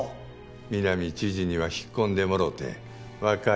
南知事には引っ込んでもろうて若いあなたに。